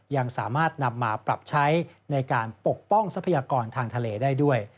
ยังสามารถนำมาปรับใช้ในการปกป้องทรัพยากรทางทะเลได้ด้วย